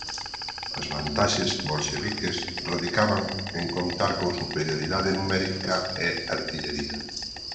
As vantaxes bolxeviques radicaban en contar con superioridade numérica e artillería.